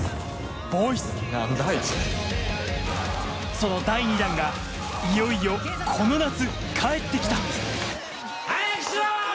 その第２弾がいよいよこの夏帰って来た早くしろ！